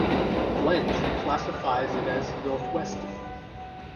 Blench classifies it as "Northwestern".